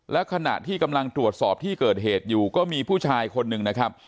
และขณะที่กำลังตรวจสอบที่เกิดเหตุอยู่ก็มีผู้ชายคนหนึ่งนะครับ